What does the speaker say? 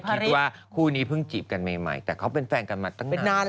คิดว่าคู่นี้เพิ่งจีบกันใหม่แต่เขาเป็นแฟนกันมาตั้งนานแล้ว